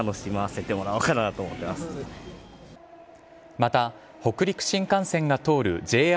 また、北陸新幹線が通るＪＲ